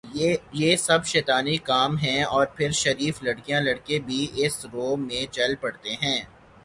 یہ سب شیطانی کام ہیں اور پھر شریف لڑکیاں لڑکے بھی اس رو میں چل پڑتے ہیں